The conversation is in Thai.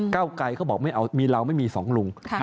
เก้าไกรเขาบอกมีเราไม่มีสองลุง